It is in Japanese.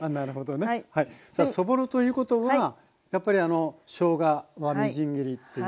そぼろということはやっぱりしょうがはみじん切りという感じですね？